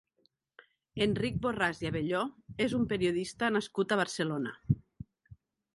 Enric Borràs i Abelló és un periodista nascut a Barcelona.